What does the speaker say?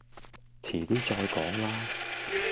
遲啲再講啦